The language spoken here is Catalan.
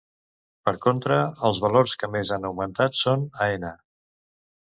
Per contra, els valors que més han augmentat són Aena.